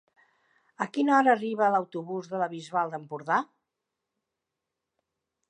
A quina hora arriba l'autobús de la Bisbal d'Empordà?